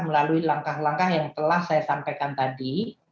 melalui langkah langkah yang telah saya sampaikan tadi